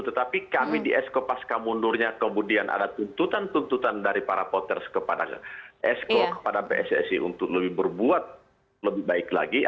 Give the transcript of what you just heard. tetapi kami di esko pasca mundurnya kemudian ada tuntutan tuntutan dari para potters kepada esko kepada pssi untuk lebih berbuat lebih baik lagi